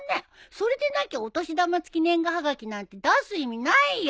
それでなきゃお年玉付年賀はがきなんて出す意味ないよ！